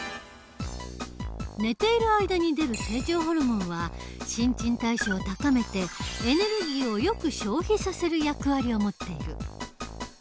寝ている間に出る成長ホルモンは新陳代謝を高めてエネルギーをよく消費させる役割を持っている。